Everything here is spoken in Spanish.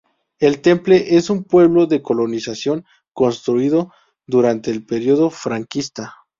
El Temple es un pueblo de colonización construido durante el periodo franquista.